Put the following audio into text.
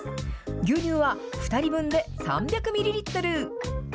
牛乳は２人分で３００ミリリットル。